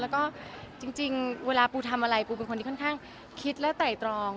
แล้วก็จริงเวลาปูทำอะไรปูเป็นคนที่ค่อนข้างคิดและไต่ตรอง